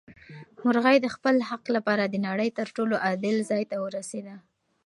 مرغۍ د خپل حق لپاره د نړۍ تر ټولو عادل ځای ته ورسېده.